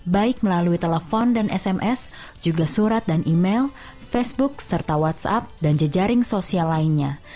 baik melalui telepon dan sms juga surat dan email facebook serta whatsapp dan jejaring sosial lainnya